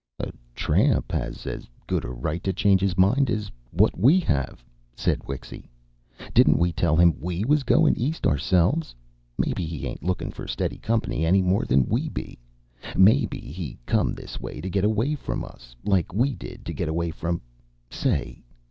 "A tramp has as good a right to change his mind as what we have," said Wixy. "Didn't we tell him we was goin' East ourselves? Maybe he ain't lookin' for steady company any more than we be. Maybe he come this way to get away from us, like we did to get away from say!